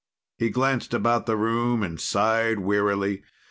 He glanced about the room and sighed wearily.